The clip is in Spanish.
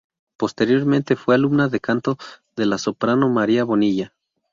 Posteriormente fue alumna de canto de la soprano María Bonilla.